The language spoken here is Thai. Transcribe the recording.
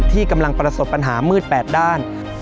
ที่กำลังประสบปัญหามืด๘ด้าน